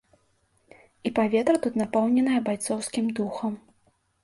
І паветра тут напоўненае байцоўскім духам.